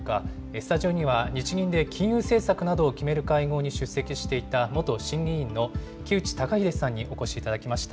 スタジオには、日銀で金融政策などを決める会合に出席していた元審議委員の木内登英さんにお越しいただきました。